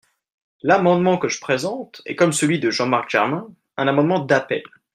L’amendement que je présente est, comme celui de Jean-Marc Germain, un amendement d’appel.